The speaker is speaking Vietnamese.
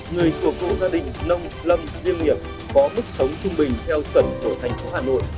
người thuộc vụ gia đình nông lâm riêng nghiệp có bức sống trung bình theo chuẩn của thành phố hà nội